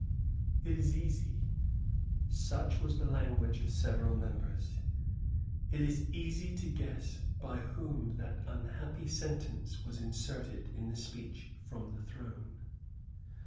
"It is easy," such was the language of several members, "it is easy to guess by whom that unhappy sentence was inserted in the speech from the Throne.